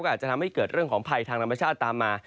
อาจจะทำให้เกิดเรื่องของภัยทางธรรมชาติตามมา